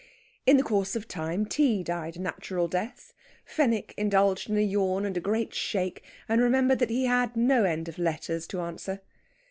In the course of time tea died a natural death. Fenwick indulged in a yawn and a great shake, and remembered that he had no end of letters to answer.